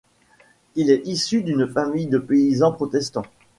Il est issu d'une famille de paysans protestants.